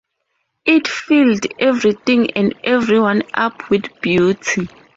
It filled everything and everyone up with beauty.